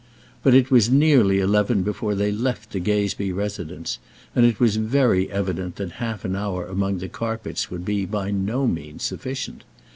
But it was nearly eleven before they left the Gazebee residence, and it was very evident that half an hour among the carpets would be by no means sufficient.